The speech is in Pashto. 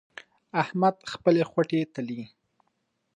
احمد خپلې خوټې تلي.